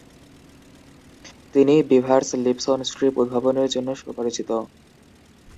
তিনি "Beevers Lipson strip" উদ্ভাবনের জন্য সুপরিচিত।